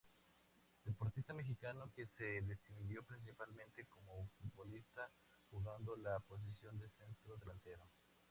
Deportista mexicano que se distinguió, principalmente, como futbolista, jugando la posición de centro delantero.